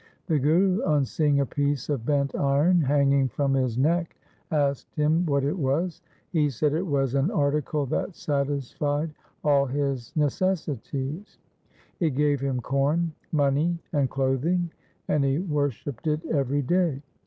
The Guru, on seeing a piece of bent iron hanging from his Z2 340 THE SIKH RELIGION neck, asked him what it was. He said it was an article that satisfied all his necessities. It gave him corn, money, and clothing, and he worshipped it every day.